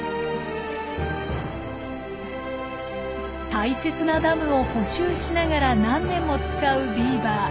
大切なダムを補修しながら何年も使うビーバー。